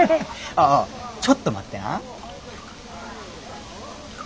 ああちょっと待ってな。